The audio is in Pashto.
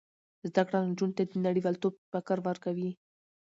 زده کړه نجونو ته د نړیوالتوب فکر ورکوي.